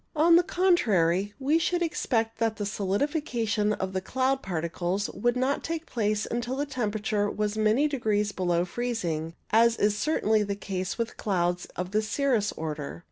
On the contrary, we should expect that the solidification of the cloud particles would not take place until the temperature was many degrees below freezing, as is certainly the case with clouds of the cirrus order.